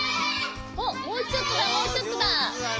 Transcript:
おっもうちょっとだもうちょっとだ。